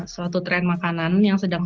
suatu tren makanan yang sedang